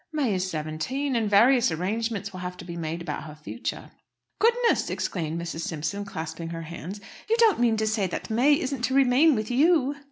May is seventeen, and various arrangements will have to be made about her future." "Goodness!" exclaimed Mrs. Simpson, clasping her hands. "You don't mean to say that May isn't to remain with you?"